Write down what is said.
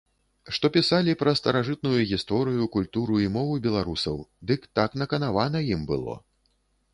Што пісалі пра старажытную гісторыю, культуру і мову беларусаў, дык так наканавана ім было.